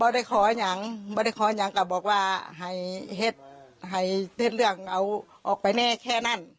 ได้ขอยังไม่ได้ขอยังก็บอกว่าให้เห็ดให้เสร็จเรื่องเอาออกไปแน่แค่นั้น